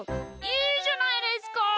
いいじゃないですか。